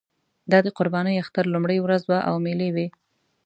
دا د قربانۍ اختر لومړۍ ورځ وه او مېلې وې.